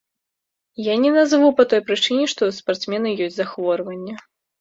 Я не назаву па той прычыне, што ў спартсмена ёсць захворванне.